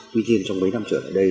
tuy nhiên trong mấy năm trở lại đây